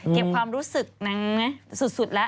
เก็บความรู้สึกนางสุดแล้ว